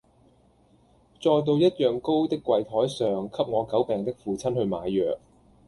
再到一樣高的櫃臺上給我久病的父親去買藥。